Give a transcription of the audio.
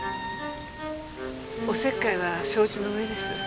おせっかいは承知の上です。